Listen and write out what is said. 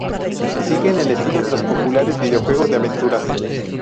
Siguen el estilo de los populares videojuegos de aventuras.